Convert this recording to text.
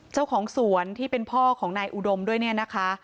เจ้าของสวนที่เป็นพ่อของนายอุดมด้วยเนี่ยนะคะ